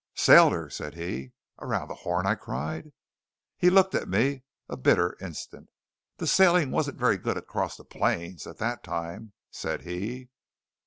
"Sailed her," said he. "Around the Horn?" I cried. He looked at me a bitter instant. "The sailing wasn't very good across the plains, at that time," said he.